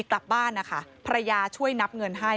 กลับบ้านนะคะภรรยาช่วยนับเงินให้